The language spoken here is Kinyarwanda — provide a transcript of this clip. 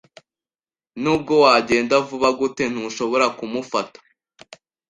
Nubwo wagenda vuba gute, ntushobora kumufata.